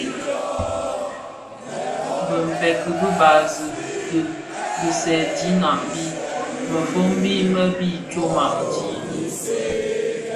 Bi mpërkë dibasi di bisèèdina bi mëfombi më bi tyoma di.